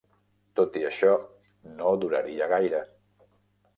Tot i això, no duraria gaire.